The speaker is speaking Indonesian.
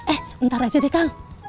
eh ntar aja deh kang